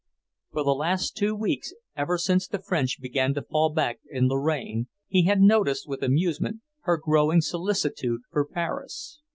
For the last two weeks, ever since the French began to fall back in Lorraine, he had noticed with amusement her growing solicitude for Paris.